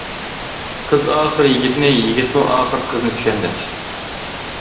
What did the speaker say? قىز ئاخىر يىگىتنى، يىگىتمۇ ئاخىر قىزنى چۈشەندى.